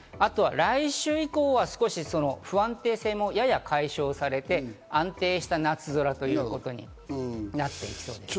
来週以降は不安定性もやや解消されて、安定した夏空ということになっていきそうです。